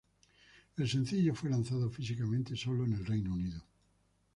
El sencillo fue lanzado físicamente sólo en el Reino Unido.